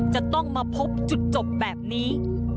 จะต้องมาพบจุดจบแบบนี้